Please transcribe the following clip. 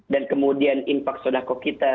dan kemudian impak sunnah kok kita